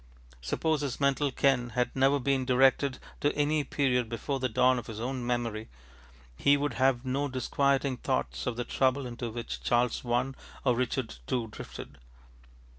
Suppose his mental ken had never been directed to any period before the dawn of his own memory, he would have no disquieting thoughts of the trouble into which Charles I. or Richard II. drifted.